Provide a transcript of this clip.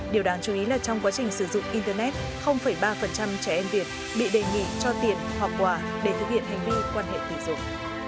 điều đáng chú ý là trong quá trình sử dụng internet ba trẻ em việt bị đề nghị cho tiền hoặc quà để thực hiện hành vi quan hệ tình dục